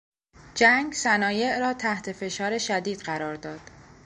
جنگ صنایع را تحت فشار شدید قرار داد.